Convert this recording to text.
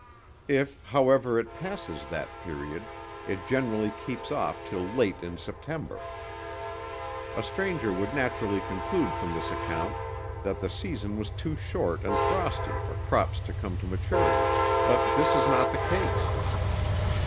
If, however, it passes that period, it generally keeps off till late in September. A stranger would naturally conclude from this account, that the season was too short and frosty for crops to come to maturity; but this is not the case.